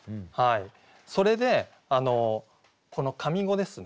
それでこの上五ですね